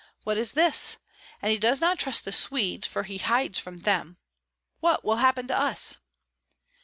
What is this? And he does not trust the Swedes, for he hides from them. What will happen to us?"